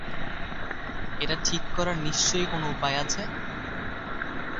এটা ঠিক করার নিশ্চয়ই কোনো উপায় আছে।